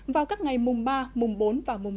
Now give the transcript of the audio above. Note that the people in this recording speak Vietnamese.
vào các ngày mùng ba mùng bốn và mùng năm